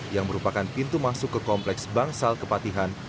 yang merupakan pintu masuk ke kompleks bangsal kepatihan